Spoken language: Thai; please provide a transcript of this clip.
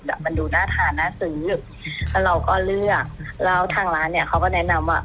มันดูน่าทานน่าซื้อแล้วเราก็เลือกแล้วทางร้านเนี้ยเขาก็แนะนำว่า